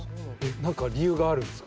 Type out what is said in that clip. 何か理由があるんですか？